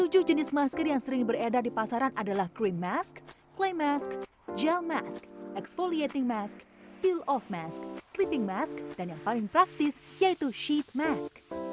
tujuh jenis masker yang sering beredar di pasaran adalah cream mask clay mask gel mask exfoliating mask peel off mask sleeping mask dan yang paling praktis yaitu sheet mask